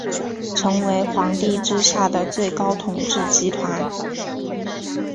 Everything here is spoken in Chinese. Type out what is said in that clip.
成为皇帝之下的最高统治集团。